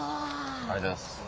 ありがとうございます。